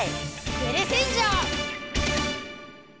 テレセンジャー！